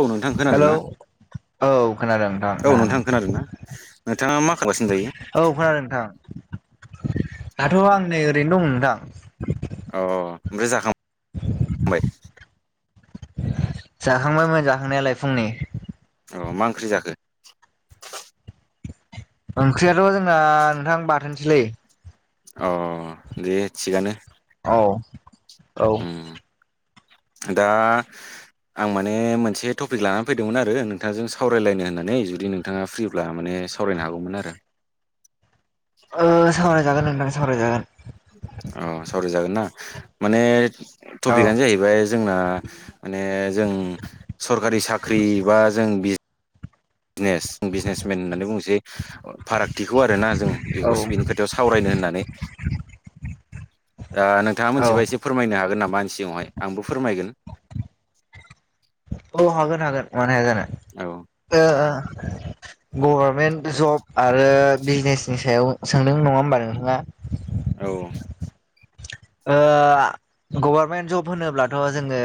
औ नोंथां हेलौ खोनादोंना औ खोनादों नोंथां औ खोनादों नोंथां खोनादोंना नोंथाङा मा खालामगासिनो दायो औ खोनादों नोंथां दाथ' आं नै ओरैनो दं नोंथां अ अ ओमफ्राय जाखां जाखांबायमोन जाखांनायालाय फुंनि अ मा ओंख्रि जाखो ओंख्रियाथ' जोंना नोंथां बाथोनसैलै अ दे थिगानो औ औ उम दा आं माने मोनसे टपिक लानानै फैदोंमोन आरो नोंथांजों सावरायलायनो होननानै जुदि नोंथाङा फ्रि ब्ला माने सावरायनो हागौमोन आरो ओ सावरायजागोन नोंथां सावरायजागोन अ सावरायजागोनना माने टपिकआनो औ जाहैबाय जोंना माने जों सरकारि साख्रि बा जों बिज नेस बिजनेस मेन होननानै बुंसै फारागथिखौ आरोना जों औ बेखौ बेनि खोथायावसो सावरायनो होननानै दा नोंथाङा औ मिथिबाय एसे फोरमायनो हागोन नामा आंनि सिङावहाय आंबो फोरमायगोन औ हागोन हागोन मानो हाया जानो औ ओ ओ गभर्नमेन्ट जब आरो बिजनेसनि सायाव सोंदों नङा होमबा नोंथाङा औ ओ गभारनमेन्ट जब होनोब्लाथ' जोङो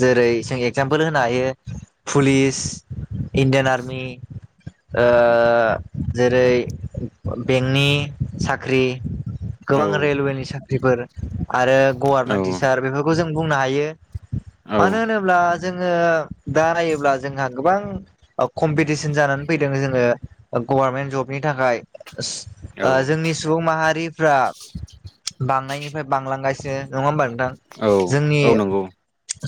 जेरै जों एगजामपोल होनो हायो पुलिस इंडियान आर्मी आ जेरै बेंकनि साख्रि औ गोबां रेलवेनि साख्रिफोर आरो गभारनमेन्ट औ टिचार बेफोरखौ जों बुंनो हायो मानो होनोब्ला जोङो दा नायोब्ला जोंहा गोबां कम्पिटिसन जानानै फैदों जोङो गभारनमेन्ट जबनि थाखाय औ आ जोंनि सुबुं माहारिफ्रा बांनायनिफ्राय बांलांगासिनो नङा होमबा नोंथां औ जोंनि औ नंगौ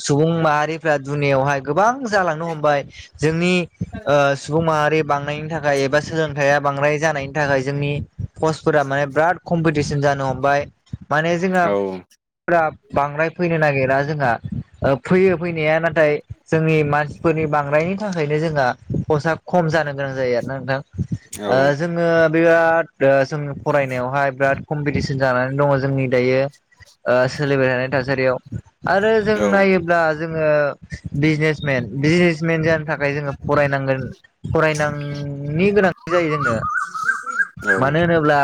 सुबुं माहारिफ्रा दुनियावहाय गोबां जालांनो हमबाय जोंनि ओ सुबुं माहारि बांनायनि थाखाय एबा सोलोंथाइया बांद्राय जानायनि थाखाय जोंनि पस्टफोरा माने बिराद कम्पिटिसन जानो हमबाय माने औ फोरा बांद्राय फैनो नागिरा जोंहा फैयो फैनाया नाथाय जोंनि मानसिफोरनि बांद्रायनायनि थाखायनो जोंहा फसा खम जानो गोनां जायो आरोना नोंथां औ ओ जोङो बिराद जों फरायनायावहाय बिराद कम्पिटिसन जानानै दङ जोंनि दायो सोलिबाय थानाय थासारियाव आरो जों औ नायोब्ला जोङो बिजनेस मेन बिजनेसमेन जानो थाखाय जोङो फरायनांगोन फरायनांनायनि गोनांथि जायो जोंनो औ मानो होनोब्ला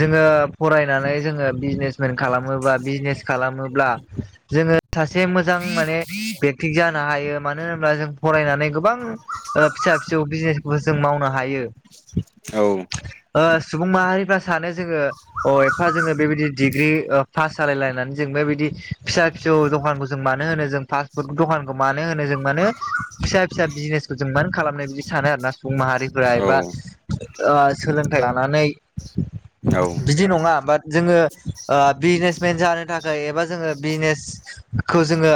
जोङो फरायनानै जोङो बिजनेस खालामोबा बिजनेस खालामोब्ला जोङो सासे मोजां माने बे थिग जानो हायो मानो होनब्ला जों फरायनानै गोबां ओ फिसा फिसौ बिजनेसबो जों मावनो हायो। औ। ओ सुबुं माहारिफ्रा सानो जोङो अ' एप्पा जोङो बेबायदि डिग्रि ओ पास जालायलायनानै जों बेबायदि फिसा फिसौ दखानखौ जों मानो होनो जों फास्ट फुड दखानखौ मानो होनो जों मानो फिसा फिसा बिजनेसखौ जों मानो खालामनाय बिदि सानो आरोना सुबुं माहारिफोरा एबा औ ओ सोलोंथाइ लानानै बिदि नङा बाट जोङो ओ बिजनेसमेन जानो थाखाय एबा जोङो बिजनेसखौ जोङो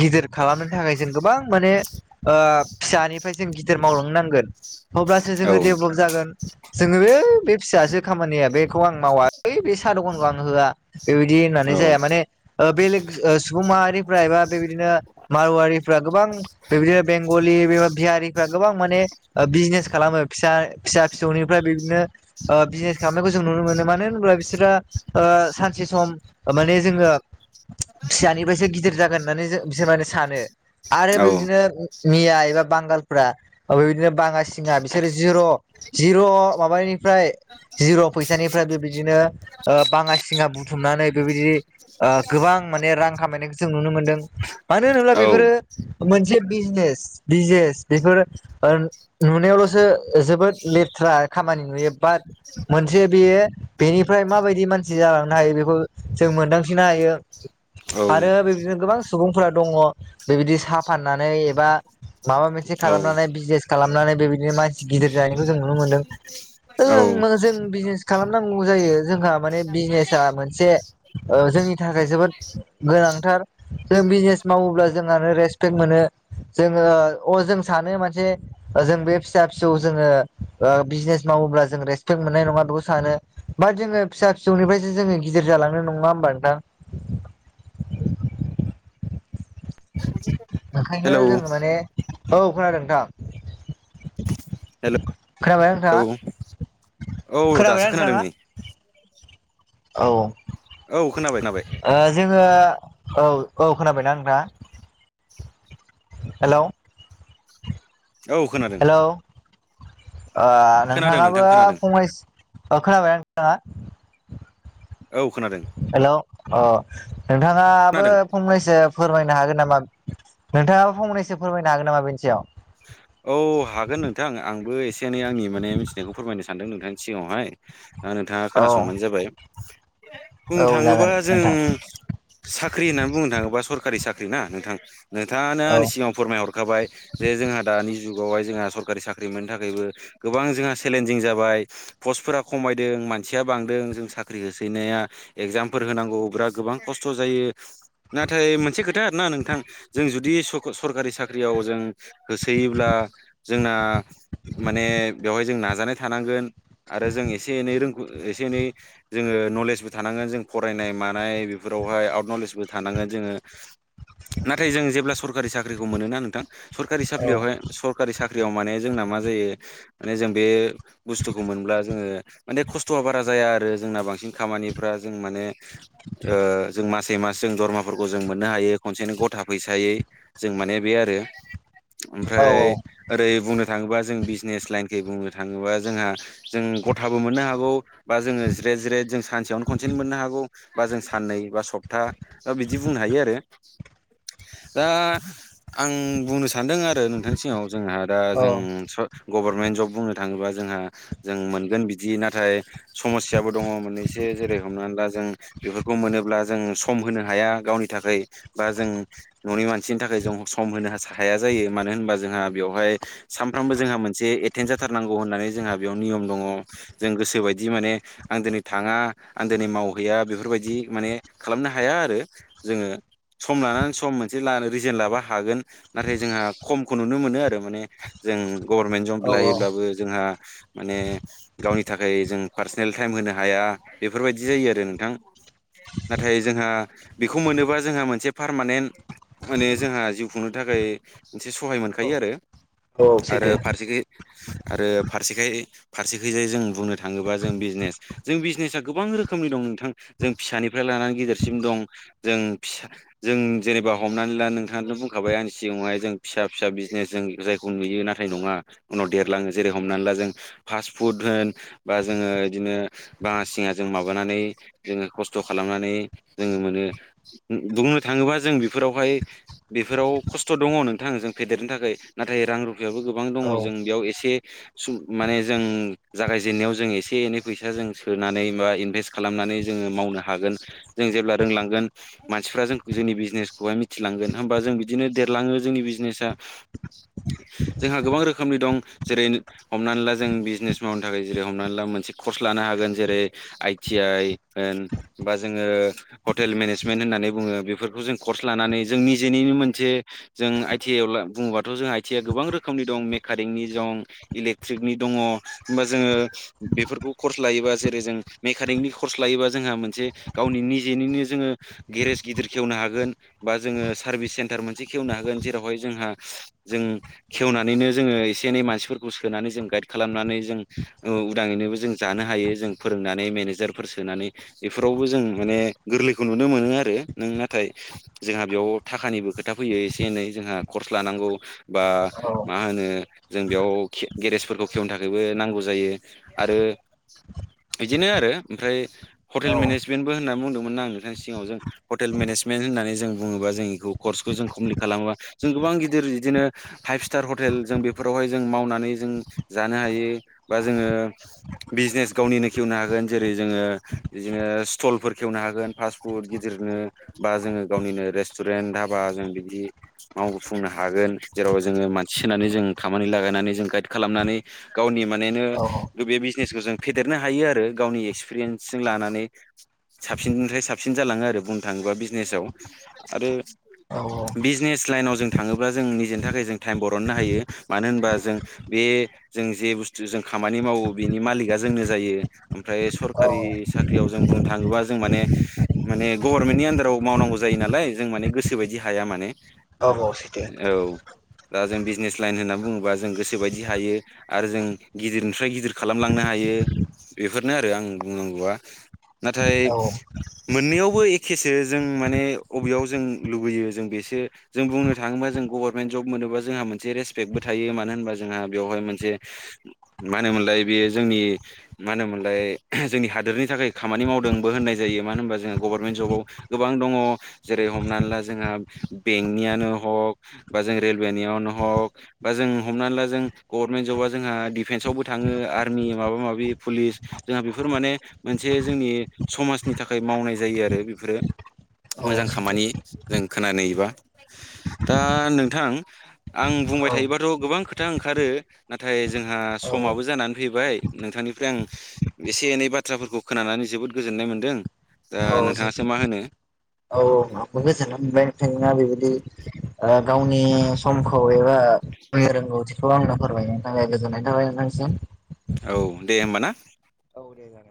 गिदिर खालामनो थाखाय जों गोबां माने ओ फिसानिफ्राय जों गिदिर मावलांनांगोन अब्लासो जोङो डेभलप जागोन। जोङो ऐ बे फिसासो खामानिया बेखौ आं मावा ओइ बे साहा दखानखौ आं होआ। बेबायदि होननानै जाया औ माने ओ बेलेग ओ सुबुं माहारिफ्रा एबा बेबायदिनो मारुवारिफ्रा गोबां बेबादिनो बेंगलि बिहारिफ्रा गोबां माने ओ बिजनेस खालामो फिसा फिसा फिसौनिफ्राय बिदिनो ओ बिजनेस खालामनायखौ जों नुनो मोनो मानो होनब्ला बिसोरा ओ सानसे सम माने जोङो फिसानिफ्रायसो गिदिर जागोन होननानै जों बिसोर माने सानो आरो औ बेबायदिनो मिया एबा बांगालफोरा बेबायदिनो बाङासिङा बिसोरो जिर' जिर' माबानिफ्राय जिर' फैसानिफ्राय बेबायदिनो ओ बाङासिङा बुथुमनानै बेबायदि ओ गोबां माने रां खामायनायखो- जों नुनो मोनदों मानो होनोब्ला बेफोरो मोनसे बिजने बिजनेस बेफोरो ओ नुनायावल'सो जोबोद लेथ्रा खामानि नुयो बाट मोनसे बेयो बेनिफ्राय माबायदि मान सि जालांनो हायो बेखौ जों मोनदांथिनो हायो आरो बेबायदिनो गोबां सुबुंफोरा दङ बेबायदि साहा फाननानै एबा माबा मोनसे खालामनानै बिजनेस खालामनानै बेबायदिनो मानसि गिदिर जानायखौ जों नुनो मोनदों ओं जों बिजनेस खालामनांगौ जायो जोंहा माने बिजनेसा मोनसे ओ जोंनि थाखाय जोबोद गोनांथार। जों बिजनेस मावोब्ला जोंहानो रेसपेक्ट मोनो जोङो अ'जों सानो मोनसे जों बे फिसा फिसौ जोङो ओ बिजनेस मावोब्ला जों रेसपेक्ट मोननाय नङा बेखौ सानो। बा जोङो फिसा फिसौनिफ्रायसो जोङो गिदिर जालांनो नङा होमबा नोंथां? ओंखायनो जोङो हेलौ माने औ खोनादों नोंथां। हेलौ खोनाबायना नोंथाङा खोनाबायना औ दासो खोनादों नै नोंथाङा? औ। औ खोनाबाय खोनाबाय। ओ जोङो औ औ खोनाबायना नोंथाङा? हेल' औ खोनादों। हेल' ओ खोनादों नोंथां नोंथाङाबो खोनादों फंनैस ओ खोनाबाय ना नोंथाङा? औ खोनादों। हेलौ अ' नोंथाङाबो खोनादों फंनैसो फोरमायनो हागोन नामा नोंथाङाबो फंनैसो फोरमायनो हागोन नामा बेनि सायाव? औ हागोन नोंथां आंबो एसे एनै आंनि माने मिथिनायखौ फोरमायनो सानदों नोंथांनि सिगाङावहाय दा नोंथाङा औ खोनासंबानो जाबाय बुंनो औ थाङोबा जागोन जों नोंथां साख्रि होननानै बुंनो थाङोबा सरखारि साख्रि ना नोंथां नोंथाङानो औ आंनि सिगाङां फोरमायहरखाबाय जे जोंहा दानि जुगावहाय जोंहा सरकारि साख्रि मोननो थाखायबो गोबां जोंहा चेलेन्जिं जाबाय पस्टफोरा खमायदों मानसिया बांदों जों साख्रि होसैनाया एगजामफोर होनांगौ गोबां खस्थ' जायो। नाथाय मोनसे खोथा आरोना नोंथां जों जुदि सरकारि साख्रियाव जों होसोयोब्ला जोंना माने बेवहाय जों नाजानाय थानांगोन। आरो जों एसे एनै रोंगौ एसे एनै जोंङो नलेजबो थानांगोन जों फरायनाय मानाय बेफोरावहाय आउट नलेजबो थानांगोन जोंङो। [inaudible] नाथाय जों जेब्ला सरकारि साख्रिखौ मोनोना नोंथां सरकारि औ साख्रियावहाय सरखारि साख्रियाव माने जोंना मा जायो माने जों बे बुस्थुखौ मोनब्ला जोंङो माने खस्थ'आ बारा जाया आरो जोंना बांसिन खामानिफ्रा जों माने ओ जों मास मास जों दरमाफोरखौ जों मोननो हायो खनसेनो गथा फैसायै जों माने बे आरो। औ ओमफ्राय ओरै बुंनो थाङोबा जों बिजनेस लाइनखै बुंनो थाङोबा जोंहा जों गथाबो मोननो हागौ बा जोंङो जिराय जिराय जों सानसेयावनो खनसेनो मोननो हागौ बा जों साननै बा सफ था बिदि बुंनो हायो आरो दा आं बुंनो सान आरो नोंथांनि सिगाङाव जोंहादा औ जों गभारमेन्ट जब बुंनो थाङोबा जोंहा जों मोनगोन बिदि नाथाय समस्याबो दङ मोननैसो जेरै हमनानै ला जों बेफोरखौ मोनोब्ला जों सम होनो हाया गावनि थाखायबा जों न'नि मानसिनि थाखाय जों सम होनो हाया जायो मानो होनबा जोंहा बेवहाय सानफ्रामबो जोंहा मोनसे एटेन्ड जाथारनांगौ जोंहा बेयाव नियम दङ गोसो बायदि माने आं दिनै थाङा आं दिनै मावहैया बेफोरबायदि माने खालामनो हाया आरो। जोंङो सम लानानै सम मोनसे लानो रिजेन लाबा हागोन। नाथाय जोंहा खमखौ नुनो मोनो आरो माने जों गभर्नमेन्ट जब औ औ लायोब्लाबो जोंहा माने गावनि थाखाय जों पार्सनेल टाइम होनो हाया बेफोरबायदि जायो आरो नोंथां। नाथाय जोंहा बेखौ मोनोबा जोंहा मोनसे पारमानेन्ट माने जोंहा जिउ खुंनो थाखाय मोनसे सहाय मोनखायो औ आरो सैथो फारसेखि आरो फारसेखाय फारसेखैजाय जों बुंनो थाङोबा जों बिजिनेस जों बिजनेसा गोबां रोखोमनि दं नोंथां जों फिसानिफ्राय लानानै गिदेरसिम दं जों फिसा जों जेनेबा हमनानै ला नोंथाङा बुं खाबाय आंनि सिगाङावहाय जों फिसा फिसा बिजिनेस जों जायखौ नुयो नाथाय नङा उनाव देरलाङो जेरै हमनानै ला जों फास्ट फुद होन बा जोंङो बिदिनो बाङा सिङा जों माबानानै जोंङो खस्थ' खालामनानै जोंङो मोनो बुंनो थाङोबा जों बेफोरावहाय बेफोराव खस्थ' दङ नोंथां जों फेदेरनो थाखाय नाथाय रां रुफायाबो गोबां दङ औ जों बेयाव एसे माने जों जागायजेननायाव जों एसे एनै फैसा जों सोनानै बा इनभेस्ट खालामनानै जोंङो मावनो हागोन जों जेब्ला रोंलांगोन मानसिफ्रा जों जोंनि बिजिनेसखौहाय मिथिलांगोन होमबा जों बिदिनो देरलाङो जोंनि बिजिनेसा। जोंहा गोबां रोखोमनि दं जेरै हमनानै ला जों बिजनेस मावनो थाखाय जेरै हमनानै ला मोनसे कर्स लानो हागोन जेरै आइटि आइ होन बा जोङो हटेल मेनेजमेन्ट होननानै बुङो बेफोरखौ जों कर्स लानानै जों निजिनिनो मोनसे जों आइ टि आइ आव ला बुङोबाथ' जोंहा आइटि आइ होनबा रोखोमनि दं मेकारिंनि दं इलेक्ट्रिकनि दङ होमबा जोङो बेफोरखौ कर्स लायोबा जेरै जों मेकानिकनि कर्स लायोबा जोंहा मोनसे गावनि निजेनिनो जोङो गेरेज गिदिर खेवनो हागोन बा जोङो सारबिस सेन्टार मोनसे खेवनो हागोन जेरावहाय जोंहा जों खेवनानैनो जोङो एसे एनै मानसिफोरखौ सोनानै जों गाइद खालामनानै जों उदाङैनोबो जों जानो हायो जों फोरोंनानै मेनेजारफोर सोनानै। बेफोरावबो जों माने गोरलैखौ नुनो मोनो आरो नों नाथाय जोंहा बेयाव थाखानिबो खोथा फैयो एसे एनै जोंहा कर्स लानांगौ बा औ मा होनो जों बेयाव खिद ग्रेजफोरखौ खेवनो थाखायबो नांगौ जायो आरो बिदिनो आरो आमफ्राय हटेल औ मेनेजमेन्टबो होननानै बुंदोंमोन ना आङो नोंथांनि सिगाङाव जों हटेल मेनेजमेन्ट होननानै जों बुङोबा जों एखौ कर्सखौ जों कमप्लिट खालामोबा जों गोबां गिदिर बिदिनो फाइभ स्टार हटेल जों बेफोरावहाय जों मावनानै जों जानो हायो बा जोङो बिजिनेस गावनिनो खेवनो हागोन जेरै जोङो बिदिनो स्टलफोर खेवनो हागोन फास्ट फुड गिदिरनो बा जोङो गावनिनो रेस्टुरेन दाबा जों बिदि मावफुंनो हागोन जेराव जोङो मानसि सोनानै जों खामानि लागायनानै जों गाइड खालामनानै गावनि मानेनो‌ बे बिजिनेसखौ जों फेदेरनो हायो आरो गावनि एक्सपिरियेन्सजों लानानै। साबसिननिफ्राय साबसिन जालाङो आरो बुंनो थाङोब्ला बिजिनेसाव आरो औ बिजिनेस लाइनाव जों थाङोब्ला जों निजेनि थाखाय जों टाइम बरननो हायो मानो होनबा जों बे जों जे बुस्थु जों खामानि मावो बेनि मालिका जोंनो जायो ओमफ्राय औ सरकारि साख्रियाव जों बुंनो थाङोबा जों माने माने गभारमेन्टनि आन्दाराव मावनांगौ जायो नालाय जों माने गोसोबादि हाया माने औ सैथो औ। दा जों बिजिनेस लाइन होनना बुङोबा जों गोसोबायदि हायो। आरो जों गिदिरनिफ्राय गिदिर खालामलांनो हायो बेफोरनो आरो आंनि बुंनांगौआ। नाथाय औ मोननैयावबो एखेसो जों माने अबेयाव जों लुबैयो जों बेसो जों बुंनो थाङोबा जों गभारमेनट जब मोनोबा जोंहा मोनसे रेसपेक्टबो थायो मानो होनबा जोंहा बेवहाय मोनसे मा होनोमोनलाय बेयो जोंनि मा होनोमोनलाय जोंनि हादोरनि थाखाय खामानि मावदोंबो होननाय जायो मानो होनबा जोङो गभारमेन्ट जबाव गोबां दङ जेरै हमनानै ला जोंहा बेंकनियानो हक बा जों रेलवेनियावनो हक बा जों हमनानै ला जों गभारमेन्ट ज'बा जोंहा डिफेन्सआवबो थाङो आर्मि माबा माबि फुलिस जोंहा बिफोर माने मोनसे जोंनि समाजनि थाखाय मावनाय जायो आरो बिफोरो औ मोजां सैथो खामानि जों खोनानोयोबा दा नोंथां आं बुंबाय औ थायोबाथ' गोबां खोथ था ओंखारो नाथाय जोंहा औ समाबो जानानै फैबाय नोंथांनिफ्राय आं एसे एनै बाथ्राफोरखौ खोनानानै जोबोद गोजोननाय मोन्दों दा औ सैथो नोंथाङासो मा होनो औ ओ आंबो गोजोननाय मोनबाय नोंथाङा बेबायदि ओ गावनि समखौ एबा गावनि रोंगौथिखौ आंनो फोरमायनायनि थाखाय गोजोननाय थाबाय नोंथांसिम। औ दे ओमबा ना औ दे जागोन।